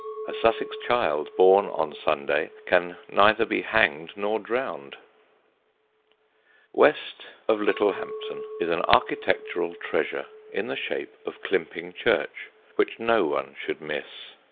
A Sussex child born on Sunday can neither be hanged nor drowned. [Sidenote: "CLIMPING FOR PERFECTION"] West of Littlehampton is an architectural treasure, in the shape of Climping church, which no one should miss.